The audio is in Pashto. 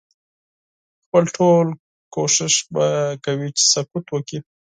خپل ټول کوښښ به کوي چې سقوط وکړي.